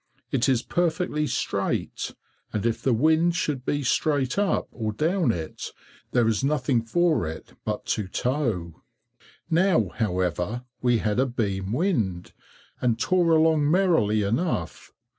It is perfectly straight, and if the wind should be straight up or down it, there is nothing for it but to tow. Now, however, we had a beam wind, and tore along merrily enough.